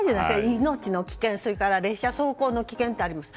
命の危険やそれから列車走行の危険とあります。